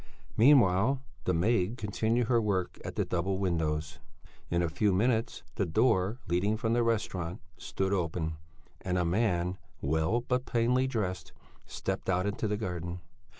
Meanwhile, the maid continued her work at the double windows; in a few minutes the door leading from the restaurant stood open, and a man, well but plainly dressed, stepped out into the garden.